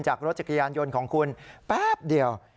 รถจักรยานยนต์ของคุณแป๊บเดียว